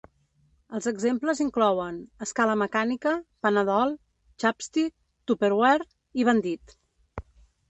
Els exemples inclouen "escala mecànica", "Panadol", "chapstick", "tupperware", i "bandit".